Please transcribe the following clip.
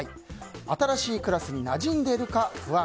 新しいクラスになじんでいるか不安。